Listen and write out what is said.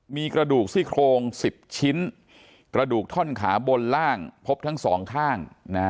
มีกระดูกซี่โครง๑๐ชิ้นกระดูกท่อนขาบนล่างพบทั้งสองข้าง